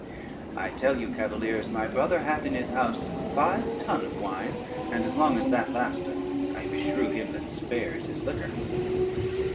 I tell you, cavaliers, my brother hath in his house five tun of wine, and as long as that lasteth, I beshrew him that spares his liquor."